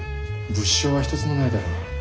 物証は一つもないだろ。